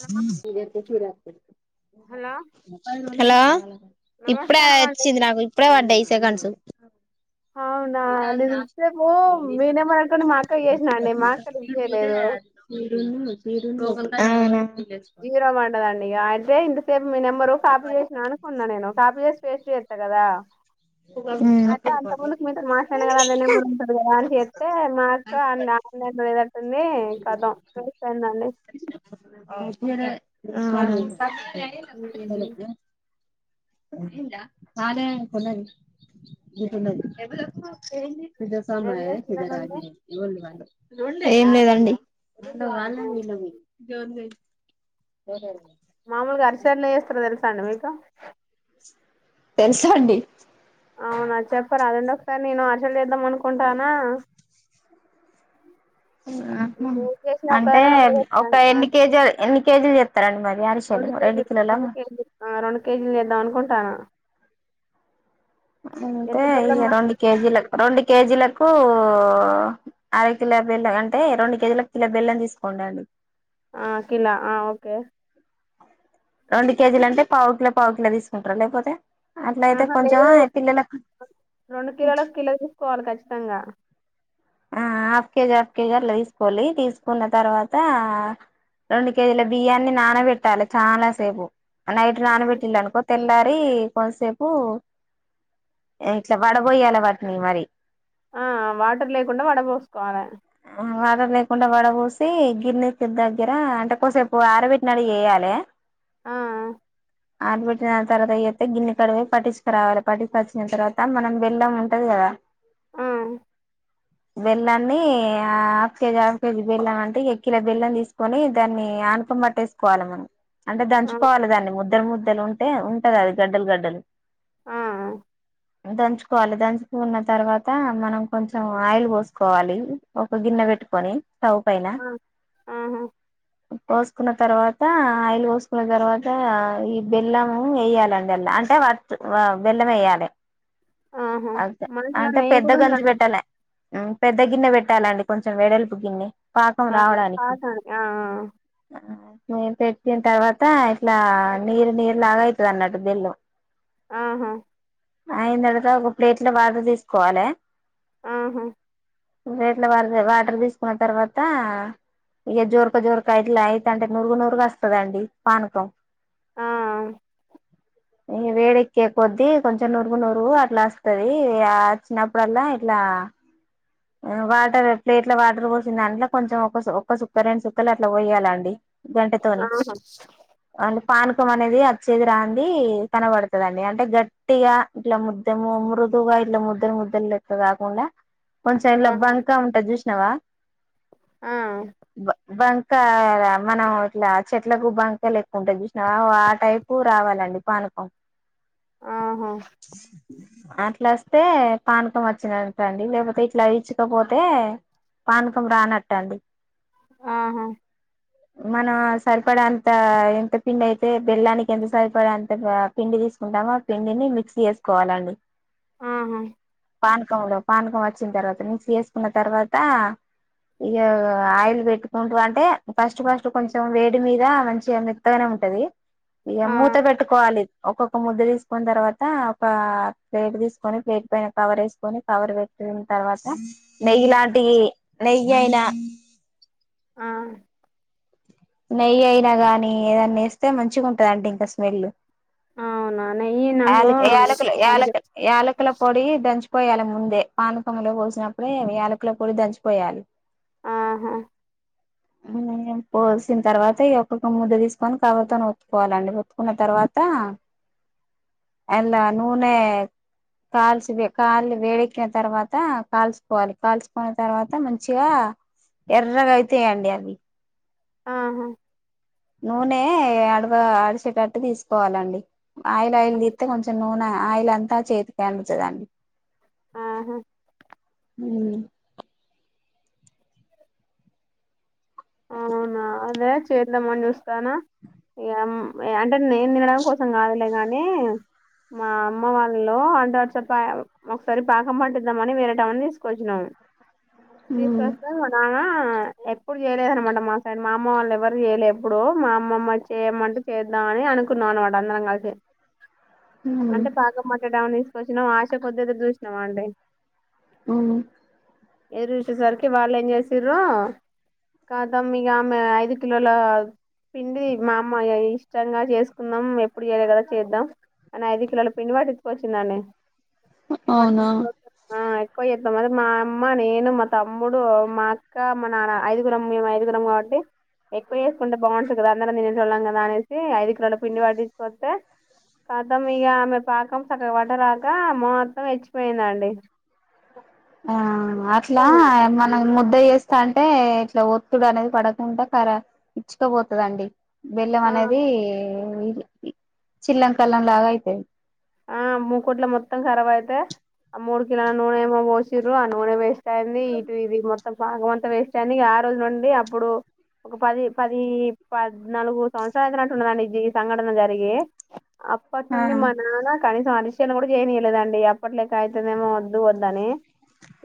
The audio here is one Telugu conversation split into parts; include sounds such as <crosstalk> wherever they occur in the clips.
హలో హలో హలో ఇప్పుడే నమస్కారం అండి వచ్చింది నాకు ఇప్పుడే పడ్డయ్ సెకండ్స్ హ అవునా నేను ఇంత సేపు మీ నెంబర్ అనుకోని మా అక్కకు చేసినా అండి మా అక్క లిఫ్ట్ చేయలేదు అవునా జీరో పడ్డదండి ఇగ అయితే ఇంతసేపు మీ నెంబరు కాపీ చేసిన అనుకున్న నేను కాపీ చేసి పేస్ట్ చేస్తా కదా ఒక అదే అంతకు ముందు మీతో మాట్లాడిన కదా అదే నెంబరు ఉంటది కదా అని చేస్తే మా అక్క నాకు <unintelligible> టుంది కథం <unintelligible> అయిందండి ఆ ఉమ్. కొన్నది ఏం చేస్తున్నారండి ఏం లేదండి <inaudible> మామూలుగా అరిసలు ఎట్ల చేస్తరో తెలుసా అండి మీకు తెలుసండి అవునా చెప్పరాదండి ఒకసారి నేను అరిసెలు చేద్దాం అనుకుంటానా చేసినా ఒక అంటే ఒక <unintelligible> ఆ ఎన్ని చెప్పు కేజీలు ఎన్ని కేజీలు చెప్తారండి మరి అరిసెలు రెండు కేజీల్ కిలోల రెండు కేజీల్ ఆ రెండు కేజీలు చేద్దాం అనుకుంటాన అంటే ఇగ రెండు కేజీలకు రెండు కేజీలక్ కు అరకిల బెల్లం అంటే రెండు కేజీలకు కిల బెల్లం తీసుకొని రండి ఆ కిలా ఆ ఓకే రెండు కేజీలు అంటే పావు కిల పావు కిల తీసుకుంటరా లేకపోతే అట్లా అయితే ఆహా కొంచెం లేదు పిల్లలకు రెండు కిలోలకు కిలో తీసుకోవాలి ఖచ్చితంగా ఆ హాఫ్ కేజీ హఫ్ కేజీ అట్ల తీసుకోల్లి తీసుకున్న తర్వాత రెండు కేజీల బియ్యాన్ని నానబెట్టాలె చాలా సేపు నైట్ ఆ నానబెట్టిల్లనుకో తెల్లా రి కొంతసేపు ఇట్లా వడబోయాలే వాటిని మరి ఆ వాటర్ లేకుండా వడ బోసుకోవాలె వాటర్ లేకుండా వడబోసి గిర్ని కి దగ్గర అంటే కొసేపు ఆరబెట్టినట్టు చేయాలె ఆ ఆరపెట్టిన తర్వాత చేత్తే గిర్ని కాడికి పోయి పట్టించుకురావాలి పట్టిచ్చికొచ్చిన తర్వాత మనం బెల్లం ఉంటది కదా ఆ బెల్లాన్ని ఇ హాఫ్ కేజీ హాఫ్ కేజీ బెల్లం అంటే ఇగ కిల బెల్లం తీసుకొని దాన్ని ఆనుకం బట్టేసుకోవాలి మనం అంటే ఆ దంచుకోవాలే దాన్ని ముద్దలు ముద్దలు ఉంటే ఉంటది అది గడ్డలు గడ్డలు ఆ ఆ దంచుకోవాలి దంచుకున్న తర్వాత మనం కొంచెం ఆయిల్ పోసుకోవాలి ఒక గిన్నె పెట్టుకొని స్టవ్ పైన ఆ ఆహా పోసుకున్న తర్వాత ఆయిల్ పోసుకున్న తర్వాత ఈ బెల్లం వేయాలండి అల్ల అంటే వర్ వ బెల్లం వేయాలె ఆహా అదే మనసులో అంటే నెయ్యి పెద్ద కూడా గంజు ఉందండి పెట్టాలె మ్ పెద్ద గిన్నె పెట్టాలండి కొంచెం వెడల్పు గిన్నె పాకం ఆ రావడానికి పాకానికి ఆ మ పెట్టిన తర్వాత ఇట్లా నీరు నీరు లాగ అవుతది అన్నట్టు బెల్లం ఆహా అయిన తర్వాత ఒక ప్లేట్ ల వాటర్ తీసుకోవాలె ఆహా ప్లేట్ల వర్ వాటర్ తీసుకున్న తర్వాత ఇక జోరక జోరక ఇట్లా అయితంటే నురుగు నురుగు వస్తదండి పానకం ఆ ఈ వేడేక్కే కొద్ద్దీ కొంచెం నురుగు నురుగు అట్లా వస్తది అచ్చినప్పుడల్లా ఇట్లా ఆ వాటర్ ప్లేట్ల వాటర్ పోసి దాంట్ల కొంచెం ఒక ఒక సుక్క రెండు సుక్కలు అట్లా పోయ్యాలండి గంటతోనే ఆహా అ పానకం అనేది వచ్చేది రాంది కనబడుతుందండి అంటే గట్టిగా ఇట్లా ముద్దము ము ఇట్లా ముద్దలు ముద్ద లెక్క కాకుండా కొంచెం ఇంలా ఆ బంకా ఉంటాది చూసినావా ఆ బంకా మనం ఇట్లా చెట్లకు బంక లెక్కుంటా చూసినావ ఆ టైపు రావాల అండీ పానకం ఆహా అట్లా వస్తే పానకం వచ్చినట్టండీ లేకపోతే ఇట్లా ఇచుకపోతే పానకం రానట్టండీ ఆహా మనం సరిపడ అంత ఎంత పిండి అయితే బెల్లానికి ఎంత సరిపడా అంత పిండి తీసుకుంటాము ఆ పిండిని మిక్స్ చేసుకోవాలండి ఆహా పానకంలో పానకం వచ్చిన తర్వాత నమిక్స్ చేసుకున్న తర్వాత ఇక ఆయిల్ పెట్టుకుంటు అంటే ఫస్ట్ ఫస్ట్ కొంచెం వేడి మీద మంచిగా మెత్తగా ఉంటది ఇగా ఆ మూత పెట్టుకోవాలి ఒక్కొక్క ముద్ద తీసుకున్న తర్వాత ఒక ప్లేట్ తీసుకొని ప్లేట్ పైన కవర్ వేసుకని కవర్ పె న తర్వాత నెయ్యిలాంటివి నెయ్యి అయిన ఆ నెయ్యి అయినా గాని ఏదన్న వేస్తే మంచిగా ఉంటదండి ఇంకా స్మెల్ అవునా నెయ్యి నాకు ఏలకుల ఏల మంచి యాాలకుల పొడి దంచి పోయాలి ముందే పానకములో పోసినప్పుడే యాలకుల పొడి దంచిపోయాలి ఆహా ఇంకా ఏం పోసి వచ్చిన తర్వాత ఈ ఒక్కక్క ముద్ద తీసుకొని కవర్తోని ఒత్తుకోవాలండి ఒత్తుకున్న తర్వాత అనా నూనె కాల్చ వే కాలు వేడెక్కిన తర్వాత కాల్చుకోవాలి కాల్చుకున్న తర్వాత మంచిగా ఎర్రగా అయితయి అండి అవి ఆహా నూనె అడవ అడిచేటట్టు తీసుకోవాలండి ఆయిల్ ఆయిల్ దిస్తే కొంచెం నూనె ఆయిల్ అంతా చేతికే అంటుతదండి ఆహా ఉమ్ అవునా అదే చేద్దామని చూస్తానా అంటే నేను తినడం కోసం కాదులే కానీ మా అమ్మ వాళ్ళలో అంట వరస పా ఒకసారి పాకం పట్టిద్దామని వేరేటామేని తీసుకొచ్చినాము తీసుకొస్తే మా నాన్న ఎప్పుడు చేయలేదనమాట మా సైడ్ మా అమ వాళ్ళు ఎవరు చేయలే ఎప్పుడు మా అమ్మమ్మ చేయమంటూ చేద్దాం అని అనుకున్నాను <unintelligible> అంటే పాకం మాట్ట డవని తీసుకొచ్చినాం ఆశ కొద్ది ఎదురు చూసినాము అండి ఊ ఎదురుూచ్చేసరికి వాళ్ళు ఏం చేసిర్రు కాదా మీక ఆమె ఐదు కిలోల పిండి మా అమ్మయ ఇష్టంగా చేసుకుందాం ఎప్పుడు చేయలేదు కదా చేద్దాం అని ఐదు కిలోల పిండి పట్టించుకోచిందండీ అవునా <unintelligible> ఆ ఎక్కువ చేద్దాం అని మా అమ్మ నేను మా తమ్ముడు మా అక్క మా నాన్న ఐదు గురం ఐదుగురం కాబట్టి ఎక్కువేకుంటే బాగుంటాది అందరం తినేటోలం కదా అనేసి ఐదు లోడా పిండి పట్టించుకోవస్తే కతం ఇగ ఆమె పాకం సక్కగ వట్టరాక మొత్తం ఇచ్చిపోయిందండి ఆ అట్లా మనం ముద్ద చేస్ సంటే ఇట్లా ఒత్తుగా అనేది పడకుండా కరా ఇచ్చుకోపోతదండి బెల్లం అనేదీ ఆ ఇది చిల్లంకల్లం లాగా అయిపోయేది ఆ మూకుట్లో మొత్తం కరాబ్ అయితే ఆ మూడు కిలోల నూనె ఏమో పోసిర్రు ఆ నూనె వేసి సంది ఇటు ఇది మొత్తం పాకం అంత వేస్ట్ అనీ ఇగ ఆ రోజు నుండి అప్పుడు ఒక పది పది పద్నాలుగు సంవత్సరాలు అయితునట్టున్నది అండి ఈ సంఘటన జరిగి ఆ అప్పట్నుండి మన మా నాన్న కనీసం అరిషలు కూడా చేయనీయలేదండి అప్పట్లెక్క అయితదేమో వద్దు వద్దని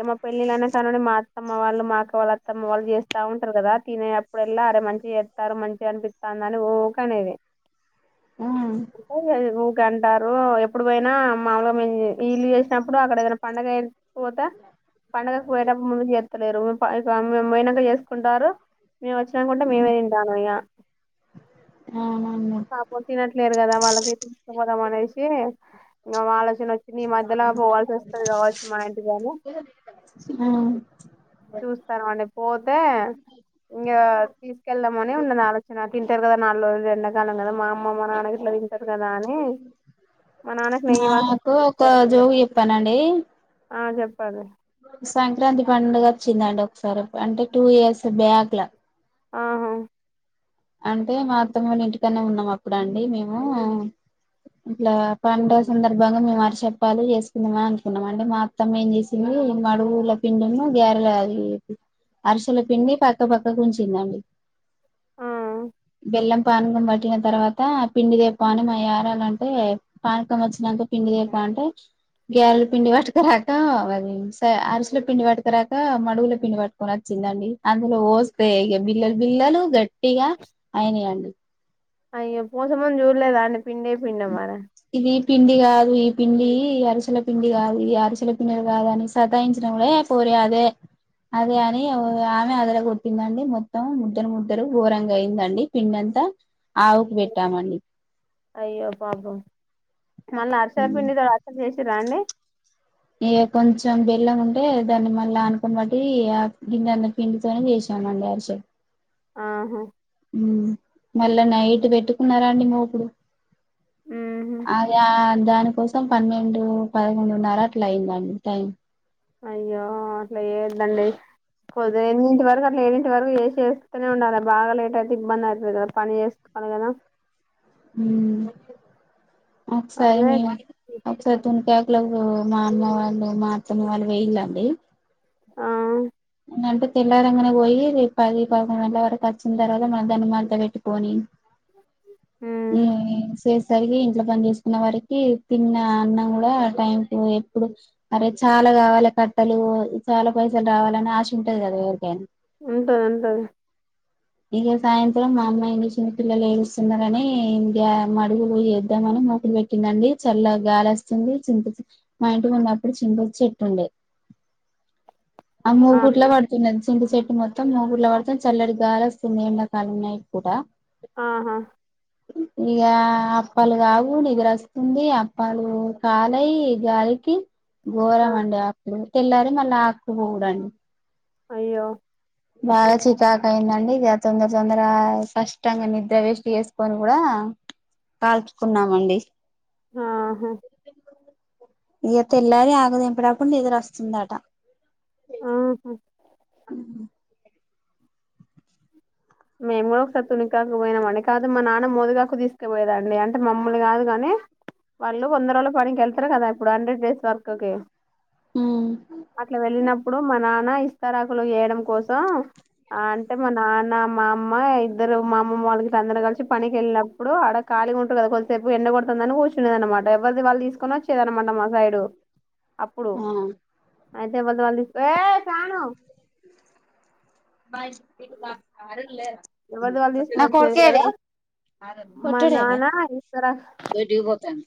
ఏమో పేళ్ళి లైన కానుండి మా అత్తమ్మ వాళ్ళు మా అక్క వాళ్ళ అత్తమ్మ వాళ్ళు చేస్తా ఉంటారు కదా తినే అప్పుడు ఎళ్ళా అరే మంచిగా చేత్తారు మంచిగా అనిపిత్తా ఉందని వోకానేది ఉంటది గదా ఊకె అన్ టారు ఎప్పుడు పోయినా మామూల్గా మేం ఇళ్ళు చేసినప్పుడు అక్కడ ఏదైనా పండగ పోతా పండగకు పోయేటప్పుడు ముందు చేత్తలేరు ఇ మేము పోయినంక చేస్ కుంటారు మేము వచ్చినంకుంటే మేమే తింటాం ఇగ అవునండి పాపోల్ తినట్లేదు కదా వాళ్ళకి తీసుకపోదాం అనేసి ఇంగా ఆలోచన వచ్చింది ఈ మధ్యలో పోవాల్సి వస్తది కావచ్చు మా ఇంటికి అని ఉమ్ చూస్తాను అండి పోతే ఇంగా తీసుకెళ్దామని ఉన్నది ఆలోచన తింటారు కదా నాలుగు రోజులు ఎండ దల్లమీద మా అమ్మ మా నాన్న గిట్ల తింటరు కదా అని మా నాన్నకి నెయ్యి వాసన నాకు ఒక అసలు. జోక్ చెప్పానండి ఆ చెప్పర్రి సంక్రాంతి పండుగ వచ్చిందండి ఒకసారి అంటే టూ ఇయర్స్ బ్యాక్ లా ఆహా అంటే మా అత్తమ్మ వాళ్ళ ఇంటికన్నే ఉన్నాం అప్పుడు అండి మేమూ ఇట్లా పండగ సందర్భంగా మేము అరిష అప్పాలు చేసుకుందమా అని అనుకున్నాం అండి మా అత్తమ్మ ఏం చేసింది మడుగుల పిండీను గ్యరెల అది అరిసల పిండి పక్కపక్కకి ఉంచిందండి అ బెల్లం పానకం పట్టిన తర్వాత పిండి దేపో అయి మా యారాలంటే పానకం వచ్చినంక పిండిదేపో అంటే గ్యారాల పిండి పట్టుకరాక అది స అరుసుల పిండి పట్టుకరాక మడుగుల పిండి పట్టుకోని వచ్చి ఇందండి అందులో వోస్తే బిల్లలు బిల్లలు గట్టిగా అయినయ్ అండి అయ్యో పోసేముందు చూడలేదా అండి పిండి పిండ మర ఇది పిండి గాదు ఈ పిండీ అరిసెల పిండి గాదు ఈ అరిసెల పిండి గాదని సతాయించిన నవులే పోరి అదే అదే అని ఆమె అదర కొట్టిందండి మొత్తం ముద్దలు ముద్దలు ఘోరంగా అయిందండి పిండం ద ఆవుకు బెట్టామండి అయ్యో పాపం మళ్ళ అరిసల పిండితో అరిసలు చేసిర్రా అండి టే దాన్ని మళ్ళ ఆనకం బట్టి ఆ గిన్నన్ని పిండితోనే చేసామండి అరిసల్ ఆహా ఉమ్ మళ్ళ నైట్ పెట్టుకున్నారండి మోపుడు ఉహు అదా దాని కోసం పన్నెండు పదకొండున్నర అట్లా అయిందండి టైం అయ్యో అట్ల చేయొద్దండి కుదిరినంత వరకు ఏడింటి వరకు చేసేస్తనే ఉండాలి బాగా లేట్ అయితే ఇబ్బంది అవుతుంది కదా పని చేసుకోవాలి కదా ఉమ్ ఒకసారి అదే మీ ఒకసారి తుంటా లకు మా అమ్మ వాళ్ళు మా అత్తమ్మ వాళ్ళు వేయలండి ఆ నంటే తెల్లారంగానే పోయి పది పదకొండు గంటల వరకు ఒచ్చిన తర్వాత మధ్యానం మంట పెట్టుకోని ఉమ్ హ్మ్ సెస్ సరికి ఇంట్లో పని చేసుకున్నవరకి తిన్న అన్నం కూడా టైం కు ఎప్పుడు అరే చాలా లా కావాలి కట్టలు చాలా పైసలు రావాలని ఆశ ఉంటది కదా ఎవరికైనా ఉంటది ఉంటది ఇక సాయంత్రం మా అమ్మాయిని చిన్న పిల్లలు ఏడుస్తున్నరని ఇంకా మడుగులు చేద్దామని మొదలు పెట్టిందండి చల్లగ గాలొస్తుంది చింత చెట్ల మా ఇంటి ముందప్పుడూ చింత చెట్టుండే ఆ మూగుట్లో పడుతున్నది చింత చెట్టు మొత్తం మూగుట్లో పడుతు చల్లటిగాలి వ స్తోంది ఎండాకాలం నైట్ పూట ఆహా ఇగా అప్పాలు కావు నిద్రొస్తుంది అప్పాలు కాలయి గాలికి ఆ ఘోరం అండి అప్పుడు తెల్లారి మళ్ళీ ఆకు కూడా అండి అయ్యో బాగా చికాక్ అయిందండి ఇగ తొందర తొందర కష్టంగా నిద్ర వేస్ట్ చేసుకొని కూడా కాల్చుకున్నామండి ఆహా ఇక తెల్లారి ఆకుతెంపేటప్పుడు నిద్రొస్తుందట ఆహా హ్మ్ మేము కూడా ఒకసారి తునికాకుకు పోయామండి కాదు మా నాన్న మోదగాకులకు తీసుకపోయేదండి అంటే మమ్ముల్ని కాదు గాని వాళ్ళు వందరోళ్ళ పనికి వెళ్తారు కదా ఇప్పుడు హండ్రెడ్ డేస్ వర్క్ కి అట్ల వెళ్ళినప్ నప్పుడు మా నాన్న ఇస్తరాకులు చేయడం కోసం అంటే మా నాన్న మా అమ్మ ఇద్దరు మా అమ్మమ్మ వాళ్ళుగిట్ల అందరుూ కలిసి పనికి వెళ్ళినప్పుడు ఆడ కాలీగుంటరు కదా కొద్దిసేపు ఎండ కొడుతు తుంది అని కూర్చుందనమాట ఎవరిది వాళ్ళు తీసుకొని వచ్చేదనమాట మా సైడు అప్పుడు అయితే ఎవ్వల్ది వాళ్ళు తీస్ ఏయ్ శ్రావణు <inaudible> ఎవరిది వాళ్ళు నా తీసుకొని వచ్చేది కదా కొడుకేడి మా పొట్టోడేడే నాన్న ఇస్తారా దొడ్డికి పో తన్